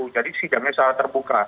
jadi sidangnya terbuka